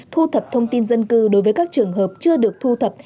thu thập thông tin dân cư đối với các trường hợp chưa được thu thập